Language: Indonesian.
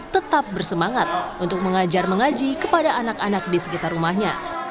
tetap bersemangat untuk mengajar mengaji kepada anak anak di sekitar rumahnya